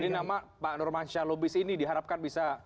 jadi nama pak norman shalubis ini diharapkan bisa